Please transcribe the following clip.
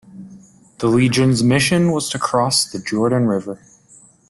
The Legion's mission was to cross the Jordan River.